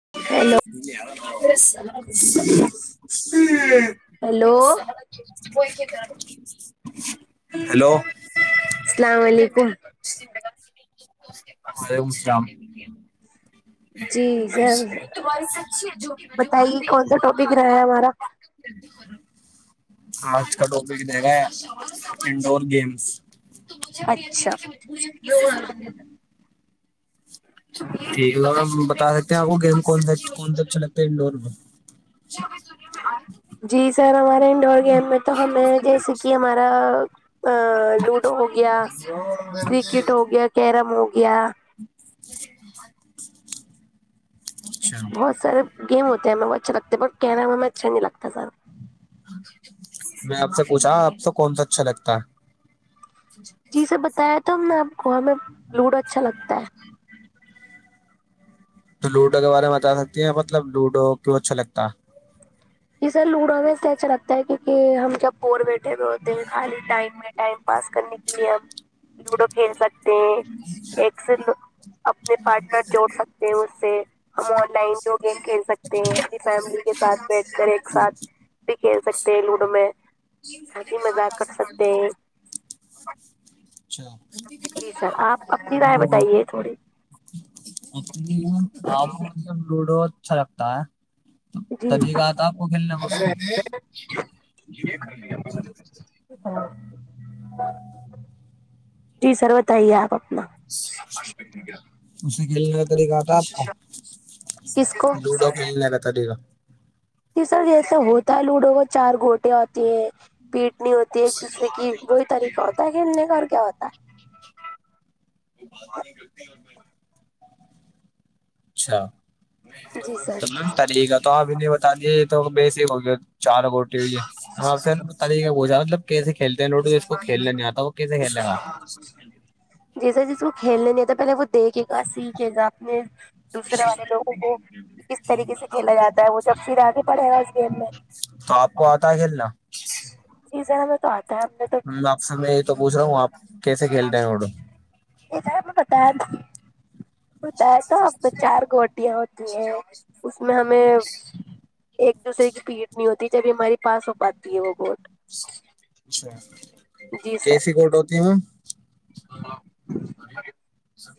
[inaudible] Hello hello hello السلام علیکم وعلیکم السلام جی سر بتائیے کون سا ٹاپک رہا ہے ہمارا جلد کروں آج کا ٹاپک رہے گا ہے انڈور گیمس اچھا ٹھیک ہے بتا سکتے ہیں آپ کو گیم کون سا کون اچھا لگتا ہے انڈور میں جی سر ہمارے انڈور گیم میں تو ہمیں جیسے کہ ہمارا لوڈو ہو گیا کرکٹ ہو گیا کیرم ہو گیا اچھا بہت سے گیم ہوتے ہیں ہمیں بہ اچھے لگ ہیں بٹ کیرا ہمیں اچھا نہیں لگتا زیادہ میں آپ سے پوچھا آپ سے کون سا اچھا لگتا ہے جی سے بتایا تو ہم آپ کو ہمیں لوڈو اچھا لگتا ہے تو لوڈو کے بارے میں بتا سکتی ہیں مطلب لوڈو کیوں اچھا لگتا ہے جی سر لوڈو میں سے اچھا لگتا ہے کیونک کہ ہم جب بور بتے خالی ٹائم میں ٹائم پاس کرنے کے لیے ہم لوڈو کھیل سکتے ہیں ایک سے اپنے پارٹنر جوڑ سکتے ہیں اس سے ہم آن لائن دو گیم کھیل سکتے ہیں اپنی فیملی کے ساتھ بیٹھ کر ایک ساتھ بھی کھیل سکتے ہیں لوڈو میں کافی مزاق کر سکتے ہیں اچھا جی سر آپ اپنی رائے بتائیے تھوڑی آپ مجب لوڈو اچھا لگتا ہے جی تدیکہ آتا آپ کو کھیلنا کو یہ کر جی سر بتائیے آپ اپنا اسے گل تری گ کا کس کو لوڈو کھیلنے ل کا تری کاا سر جیسا ہوتا ہے لوڈو کو چار گوٹے ہوتی ہیں پیٹ نہیں ہوتی ایک دوسرے کی وہئی طریقہ ہوتا ہے کھیلنے کا کیا ہوتا ہے وہ بات نہیں کر اچھا ہے جی سر طریقہ تو آپ انہیں بتا دیے یہ تو بیسک ہو گیا چار گوٹی ہوئی ہے ہاں پھر جا مطلب کیسے کھیلتے ہیں لوٹو جس کو کھیلنے نہیں آتا وہ کیسے کھیلنے گا جی سر جس کو کھیلنے نہیں تھا پہلے وہ دیکھے گا سیکھے گا اپنے دوسرے والے لوگوں کو کس طریقے سے کھیلا جاتا ہے وہ جب پھر آگے پڑھے گا اس گیم میں تو آپ کو آتا ہے کھیلنا ازر میں تو آتا ہے ہم تو آپ س میں یہ تو پوچھ رہا ہوں آپ کیسے کھیلتے ہیں وہٹو یہ جا بتا بتایا تو اب تو چار کوٹیاں ہوتی ہیں اس میں ہمیں ایک دوسرے کی پیٹ نہیں ہوتی جبھی ہمارے پاس ہو پاتی ہے وہ گوٹ اچھا کیسی کوٹ ہوتی ہے میم ہلو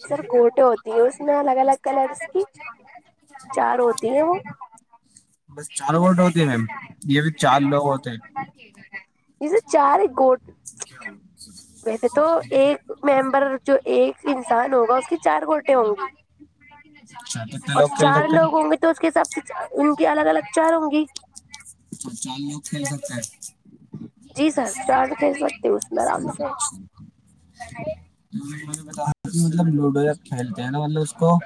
سر گھوٹے ہوتی ہیں اس میں الگ الگ کلرس کی چار ہوتی ہیں وہ بس چار ووٹ ہوتی ہیں میم یہ بھی چار لوگ ہوتے ہیں جیسے چار گٹ ہیں ویسے تو ایک ممبر جو ایک انسان ہوگا اس کی چار گوٹے ہوں گی اچھتنے اور لوکل چار لک لوگ ہوں گے تو اس کے حساب سے ان کی الگ الگ چار ہوں گی اچا چار لوگ کھیل سکتے ہیں جی سر چارج کہ سکتے ہو اس میں آرام سے [inaudible] مطلب لوڈو جب کھیلتے ہیں نا مطلب اس کو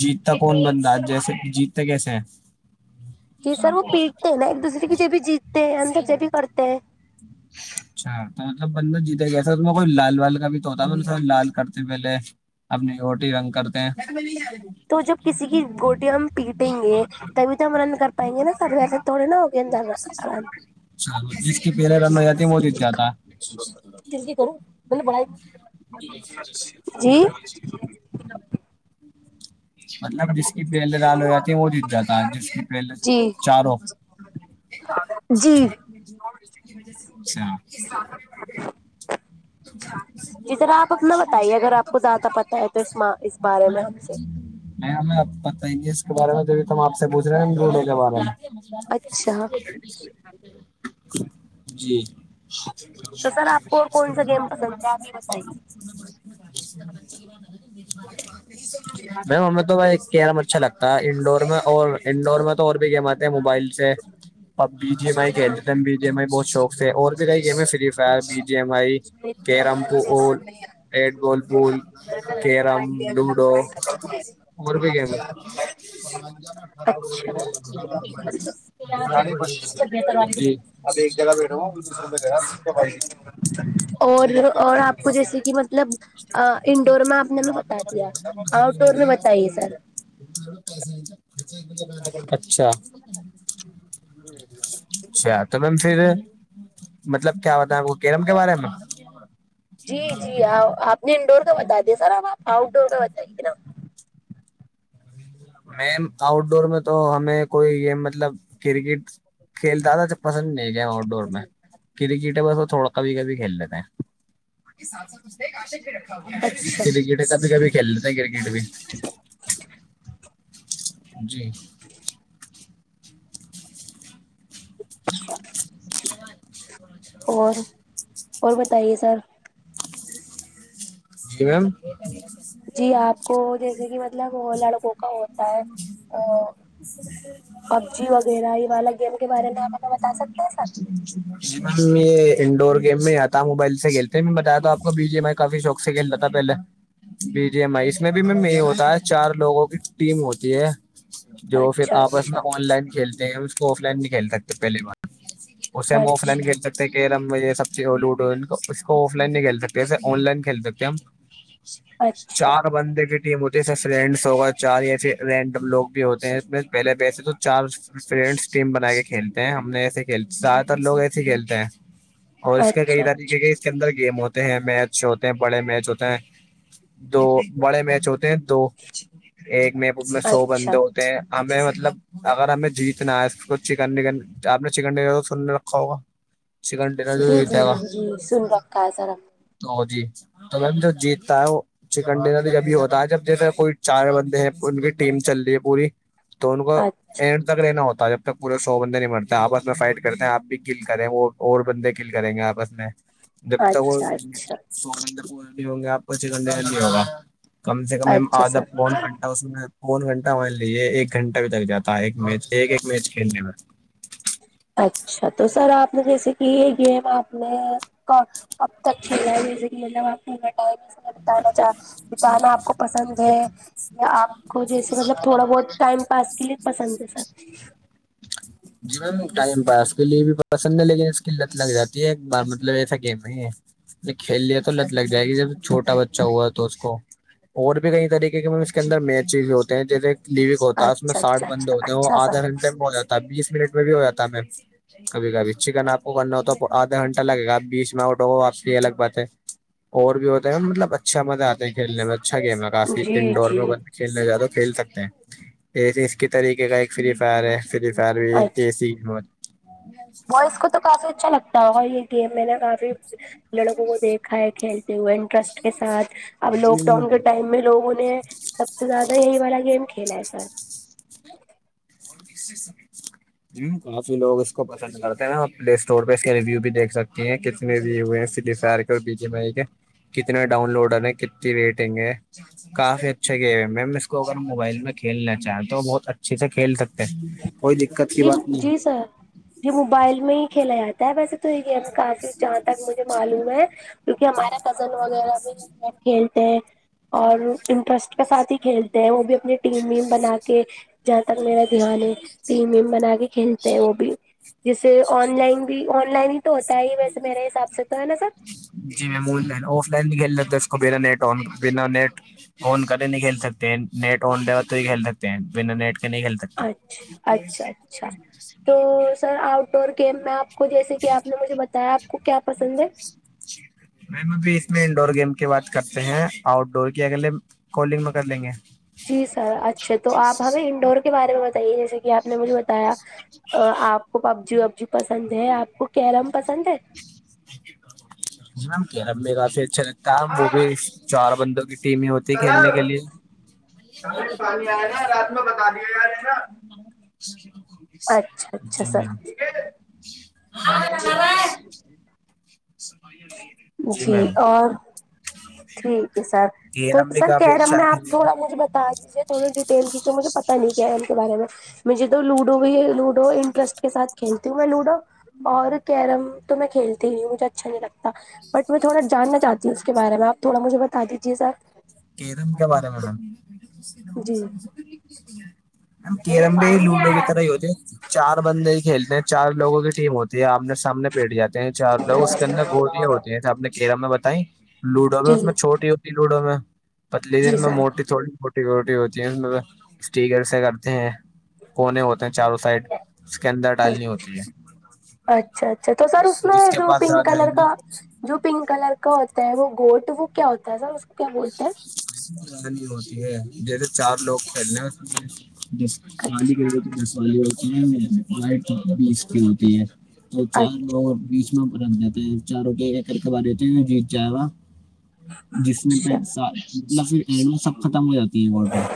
جیتتا کون بندند جیسے جیتتے کیسے ہیں جی سر وہ پیٹتے ہیں نا ایک دوسرے کی ج بھی جیتتے ہیں اندر جب بھی کرتے ہیں اچھا تو مطلب بندہ جیتے گسے میں کوئی لال والال کا بھی تو ہوتا ب سب لال کرتے پہلے اپنی روٹی رنگ کرتے ہیں تو جب کسی کی گوٹییا ہم پیٹیں گے تبھی تو ہم رنند کر پائیں گے نا سب و ایس تھڑے نہا ہوگے اندر جس کی پہیریں رن ہو جاتی وہ دت جاتا کرو ب جی مطلب جس کی پہلے لال ہو جاتی وہ جت جاتا ہے جس کی پہلے جی چاروں جی جہ سے اچھا ج [inaudible] جی سر آپ اپنا بتائیے اگر آپ کو زیادہ پت ہے تو اس اس بارے میں ہم سے نہیں ہمیں بتائیں گے اس کے بارے میں تم آپ سے پوچھ رہے ہیں ن گوڈے کے بارے اچھا میں جی تو سر آپ کو کون سا گیم پسند ہے آپ یہ بتائیے س بت ہاں میم ہمیں تو کیرم اچھا لگتا ہے انڈور میں اور انڈور میں تو اور بھی گیم آتے ہیں موبائل سے اب بی جی ایم آئی کھیلتے ہیں بی جی ایم آئی بہت شوق سے اور بھی کئی گیم ہے free fire B G M I اب کییرم پ رڈ گول پول کییرم لوڈو مور بیکینا جی ابھی ایک جگہ بیٹڑو وہ جگہ اور اور آپ کو جیسے کہ مطلب انڈور میں آپ نے بھی بتا دیا آؤٹ ڈور میں بتائی ہے سر اچھا ا [unintelligible] اچھا تو میم پھر مطلب کیا ہوتا ہے آپ کو کیرم کے بارے میں جی جی آپ نے انڈور کا بتا دیا سر آب آپ آؤٹ ڈور کا بتائیے نا میم آؤٹ ڈور میں تو ہمیں کوئی یہ مطلب کرکٹ کھیل زیادہ پسند نہیں گیا آؤٹ ڈور میں کرکٹ ہے بس تھوڑا کبھی کبھی کھیل لیتے ہیں کرکٹ اچھا کبھی کبھی کھیل لیتے ہیں کرکٹ بھی جی ہ [unintelligible] اور اور بتائیے سر جی میم جی آپ کو جیسے کہ مطلب لڑکوں کا ہوتا ہے ا پب جی وغیرہ یہ والا گیم کے بارے میں آپ ہمیں بتا سکتے ہیں سر جی میم یہ انڈور گیم میں آتا ہ موبائل سے کھیلتے میں بتایا تو آپ کو بی جیم کافی شوق تھا پہلے بی جی ایم آئی اس میں بھی میں یہ ہوتا ہے چار لوگوں کی ٹیم ہوتی ہے جو پھر اچھا آپس اچھا میں آن لائن کھیلتے ہیں اس کو آف لائن نہیں کھیل سکتے پہلی بار ا سم آف لن اچھا گ کیرم میں یہ سب چیز لوڈو اس کو آف لائن نہیں کھیل سکتے ایے آن لائن کھیل سکتے ہم اچھا چار بندے ہوتی فرینڈس ہوگا چار یا پھر رینڈم لوگ بھی ہوتے ہیں اس میں پہلے ویسے تو چار فرینڈس ٹیم بنا کے کھیلتے ہیں ہم نے ایسے کھیل زدہ تر لوگ ایس ہی کھیلتے ہیں اور اس کے کئی اچھا طریقے کے اس کے اندر گیم ہوتے ہیں میچ ہوتے ہیں بڑے میچ ہوتے ہیں دو بڑے میچ ہوتے ہیں دو ایک میں میں سو بند اچھا ہمیں مطلب اگر ہمیں جیتنا ہے اس کو چکن نگن آپ نے چکن نگ سننے رکھا ہوگا چکن ڈر بھی جی جی ہے گ جی سن رکھا ہے سر ہم ا جی تو میںم جو جیتتا ہے وہ چکن ڈنر بھی جبھی ہوتا ہے جب جیسے کوئی چار بندے ہیں ان کی ٹیم چل رہی ہے پوری تو ان کو نے۔ تک لینا ہوتا ہے جب تک پورے سو بندے نہیں مرتے آپس میں فائٹ کرتے ہیں آ بھی گل کریں اور اور بندے گل کریں گے آپس میں جب تک وہ اچھا اچھا سر پور بھی ہوں گے آپ کو چھ گنٹے لی ہوگا کم سے کم اچھا آدھا سر پون گن اس دوون گھنٹہ مان لیجیے ایک گھنٹہ بھی تک جاتا ہے ایک میچ ایک ایک میچ کھیلنے میں اچھا تو سر آپ نے جیسے کہ یہ گیم آپ نے اب تک کھیل رہ ہے میز ملب آپ کو ٹائم اس میں بتانا چاہ بتانا آپ کو پسند ہے آپ کو جیسے مطلب تھوڑا بہت ٹائم پاس کے لیے پسند ہے سر جی میم ٹائم پاس کے لیے بھی پسند ہے لیکن اس کیلت لگ جاتی ہے ایک بار مطلب ایسا گیم نہیں ہے ج کھیل لیا تو لت لگ جائے گی جب چھوٹا بچہ ہوا تو اس کو اور بھی کئی طریقے کے اس کے اندر می چیز ہوتے ہیں جیسے لیوک ہوتا ہے اس میں اچھا ساٹھ اچھا بندے اچھا ہوتے ہیں وہ اچھا آدھا سر گھنٹے میں ہو جاتا ہے بیس منٹ میں بھی ہو جاتا ہمیں کبھی کبھی چکن آپ کو کرنا ہو تو آدھا گھنٹہ لگےاپ بیچ میں آؤٹ ہو آپ سے یہ الگ بات ہے اور بھی ہوتا ہے مطلب اچھا مزہ آتا ہے کھیلنے میں اچھا گیم ہے کافی جی انڈور جی میں کھیلنا زیاد تو کھیل سکتے ہیں ایے اس کے طریقے کا ایک فری فائر ہے فری فر بھی یہ س م بس کو تو کافی اچھا لگتا ہے اور یہ گیم میں نے کافی لڑکوں کو دیکھا ہے کھیل ہوئے انٹرسٹ کے سھ اب لاک ڈاؤن کے ٹائم میں لوگوں نے سب سے زیادہ یہی والا گیم کھیلا ہے سر اس سے س ہ کافی لوگ اس کو پسند کرتے ہیں پلے اسٹور پہ اس کے ریویو بھی دیکھ سکتی ہیں تنے دیے ہوئے ہیں س سر اور بی جمئی کے کتنے ڈاؤن لوڈر ہیں کتنی ریٹنگ ہے کافی اچھا گیم ہے میم اس کو اگر موبائل میں کھیلنا چاہیں تو وہ بہت اچھے سے کھیل سکتے کوئی دقت کی بات نہیں ہے یہ موبائل میں ہی کھیلا جاتا ہے ویسے تو یہ گیم کافی جہاں تک مجھے معلوم ہے کیونکہ ہمارا کزن وغیرہ بھی گیم کھیلتے ہیں اور انٹرسٹ کے ساتھ ہی کھیلتے ہیں وہ بھی اپنی ٹیم و بنا کے جہاں تک میرا دوانی ٹیم ویم بنا کے کھیلتے ہیں وہ بھی جیسے آن لائن بھی آن لائن ہی تو ہوتا ہے ہی ویسے میرے حساب سے تو ہے نا سر جی میمن لائن آف لائن بھی کھیل لیتے اس کو بنا نیٹ آن بنا نیٹ ان ک نہیں کھیل سکتے ہیں نیٹ آن ڈ تو ہی کھیل سکتے ہیں بنا نیٹ کا نہیں کھیل ستے اچھا اچھا اچھا تو سر آ ا ڈور گیم میں آپ کو جیسے کہ آپ نے مجھے بتایا آپ کو کیا پسند ہے میم ابھی اس میں انڈور گیم کی بات کرتے ہیں آؤٹ ڈور کی اگلے کالنگ میں کر لیں گے جی سر اچھا تو آپ ہمیں انڈور کے بارے میں بتائیے جیسے کہ آپ نے مجھے بتایا آپ کو پب جی وبجی پسند ہے آپ کو کیرم پسند ہے میم کیرم میں کافی اچھا لگتا ہے وہ بھی چار بندوں کی ٹیم ہی ہوتی ہے کھیلنے کے لیے گ پانی آیا جا ہے رات میں بتا دیا یار ہے نا جچ اچھا اچھا سر جی میم ٹھیک ہے سر تو کیرم بھی سر کافی کیرم اچھا میں کھیل آپ تھوڑا مجھے ب تجیز ہے تھوڑی ڈیٹیل کیکہ مجھے پتا نہیں کیا ہے ان کے بارے میں مجھے تو لوڈو بھی لوڈو انٹرسٹ کے ساتھ کھیلتی ہوں میں لوڈو اور کیرم تو میں کھیلتی ہی ہوں مجھے اچھا نہیں لگتا بٹ میں تھوڑا جاننا چاہتی ہوں اس کے بارے میں آپ تھوڑا مجھے بتا دیجیے سر کییدم کے بارے میں سر جی کیرم بھی لوڈو بھی طرح ہی ہوتے چار بندے ہی کھیلتے ہیں چار لوگوں کی ٹیم ہوتی ہے آپنے سامنے پیٹ جاتی چار لوگ اس کے اندر گوٹیاں ہوتی ہیں آپ نے کیرم میں بتائی لوڈو میں جی اس میں چھوٹی ہوتی لوڈو میں پتلی دی ت جی میں سر موٹی تھوڑی چوٹی کوھوٹی ہوتی ہے اس میں اسٹییکر سے کرتے ہیں کونے ہوتے چاروں سائڈ اس کے اندر ڈالنی ہوتی ہے اچھا اچھا تو سر اس میں جس کے جو پاس پنک زیادہ کلر آئیں گی کا جو پنک کلر کا ہوتا ہے وہ گوٹ وہ کیا ہوتا ہے سر اس کو کیا بولتے ہیں نہیں ہوتی ہے جیسے چار لوگ کھیلنے ہیں خالی اچھا دس والی ہو میرے لائٹ اس کی ہوتی ہے تو چار لوگوں بیچ ت پرکھ جا ہے چاروں کی کر کےوا دیتے ہیں جیت جائے گا جس میں پ اچھا مطلب سب ختم ہو جاتا ت وٹر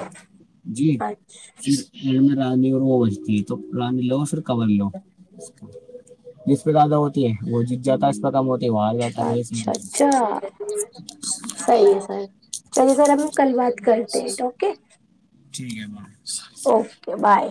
جی اچھا جی میں رانی اور وہ بجتی ہے تو رانی لو پھر کبور لو جس پہ زیادہ ہوتی ہے وہ جت جاتا ہے اس پہ کم ہوتا ہے وہ ہار جاتا اچھا ہے یہ سین اچھا اچھا صحیح ہے سر چلیے سر ہم کل بات کرتے ہیںٹوکے ٹھیک ہے اوکے بائے